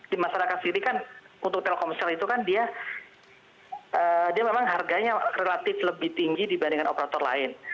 di masyarakat sendiri kan untuk telkomsel itu kan dia memang harganya relatif lebih tinggi dibandingkan operator lain